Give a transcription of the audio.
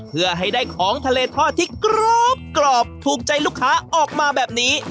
เพื่อให้ได้ของทะเลทอดที่กรอบถูกใจลูกค้าออกมาแบบนี้